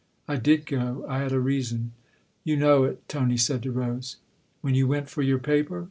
" I did go I had a reason. You know it," Tony said to Rose. " When you went for your paper